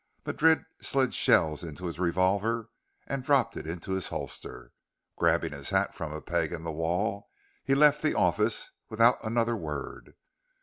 Madrid slid shells into his revolver and dropped it into his holster. Grabbing his hat from a peg in the wall, he left the office without another word.